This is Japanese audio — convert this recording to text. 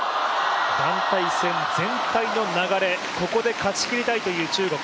団体戦全体の流れ、ここで勝ちきりたいという中国。